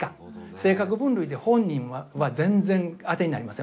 性格分類で本人は全然当てになりません。